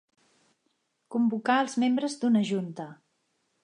Convocar els membres d'una junta.